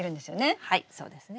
はいそうですね。